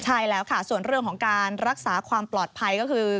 ใช่แล้วค่ะส่วนเรื่องของการรักษาความปลอดภัยก็คือ